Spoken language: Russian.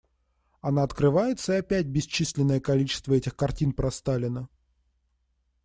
Она открывается и опять бесчисленное количество этих картин про Сталина.